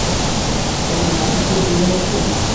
কনে না দেখে বিয়ে হবে?